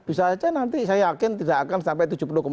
bisa saja nanti saya yakin tidak akan sampai tujuh puluh dua